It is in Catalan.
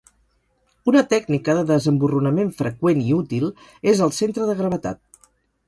Una tècnica de desemborronament freqüent i útil és el "centre de gravetat".